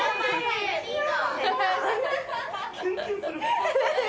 キュンキュンする。